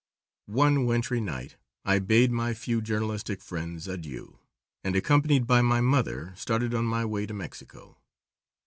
One wintry night I bade my few journalistic friends adieu, and, accompanied by my mother, started on my way to Mexico.